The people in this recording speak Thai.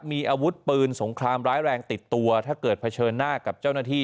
มีอาวุธปืนสงครามร้ายแรงติดตัวถ้าเกิดเผชิญหน้ากับเจ้าหน้าที่